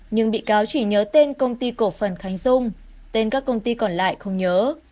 nhưng bị cáo chỉ nhớ tên công ty cổ phần khánh dung tên các công ty còn lại không nhớ